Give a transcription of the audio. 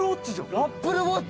「アップルウォッチ」